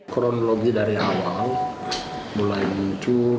kronologi dari awal mulai muncul